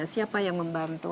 siapa yang membantu